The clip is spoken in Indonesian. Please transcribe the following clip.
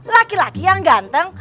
laki laki yang ganteng